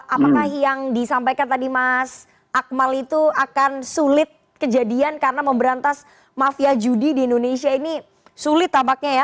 apakah yang disampaikan tadi mas akmal itu akan sulit kejadian karena memberantas mafia judi di indonesia ini sulit tampaknya ya